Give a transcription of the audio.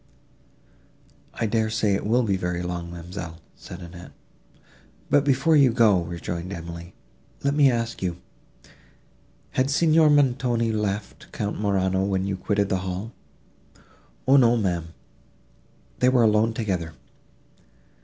"I dare say it will be very long, ma'amselle," said Annette. "But, before you go," rejoined Emily, "let me ask you—Had Signor Montoni left Count Morano, when you quitted the hall?" "O no, ma'am, they were alone together."